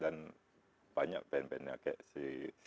dan banyak band bandnya kayak si